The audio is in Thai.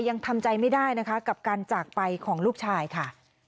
ยังทำใจไม่ได้นะคะกับการจากไปของลูกชายค่ะ